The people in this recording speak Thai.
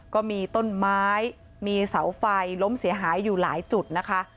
ก็มีต้นไม้มีเสาไฟล้มเสียหายอยู่หลายจุดนะคะ